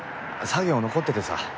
作業残っててさ。